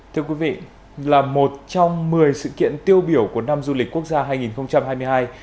thưa quý vị là một trong một mươi sự kiện tiêu biểu của năm du lịch quốc gia hai nghìn hai mươi hai